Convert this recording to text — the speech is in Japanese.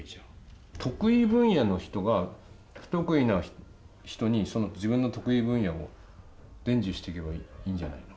得意分野の人が不得意な人にその自分の得意分野を伝授してけばいいんじゃないの？